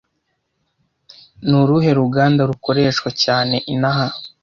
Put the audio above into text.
Ni uruhe ruganda rukoreshwa cyane inaha